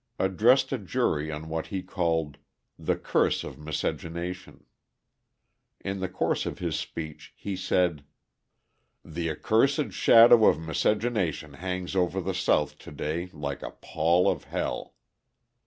addressed a jury on what he called "the curse of miscegenation." In the course of his speech he said: "The accursed shadow of miscegenation hangs over the South to day like a pall of hell.